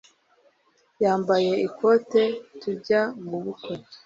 yambaye ikote tujya mu bukwe